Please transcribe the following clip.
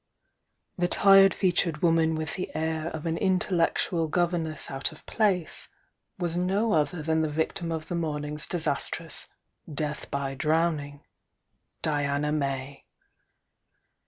The tired featured wo man with the air of an intellectual governess out of place, was no other than the victim of the morning's disastrous "death by drowning," — Diana May.